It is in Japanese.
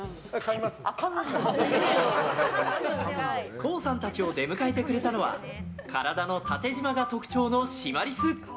ＫＯＯさんたちを出迎えてくれたのは体の縦じまが特徴のシマリス。